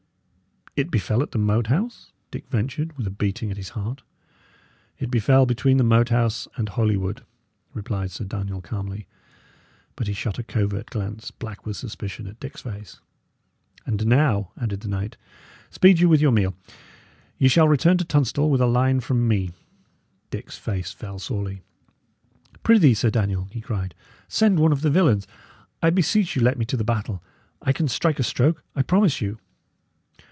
"It befell at the Moat House?" Dick ventured, with a beating at his heart. "It befell between the Moat House and Holywood," replied Sir Daniel, calmly; but he shot a covert glance, black with suspicion, at Dick's face. "And now," added the knight, "speed you with your meal; ye shall return to Tunstall with a line from me." Dick's face fell sorely. "Prithee, Sir Daniel," he cried, "send one of the villains! I beseech you let me to the battle. I can strike a stroke, I promise you."